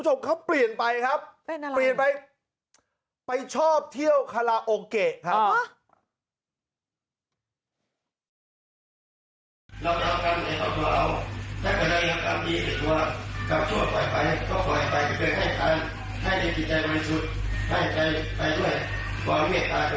จบเขาเปลี่ยนไปครับเปลี่ยนไปไปชอบเที่ยวคาราโอเกะครับ